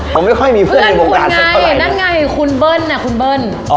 ผมไม่ค่อยมีเพื่อนในวงการสักเท่าไรนั่นไงนั่นไงคุณเบิ้ลน่ะคุณเบิ้ล